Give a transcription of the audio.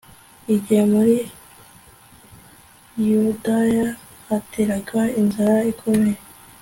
igihe muri yudaya hateraga inzara ikomeye